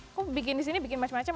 aku bikin di sini bikin macam macam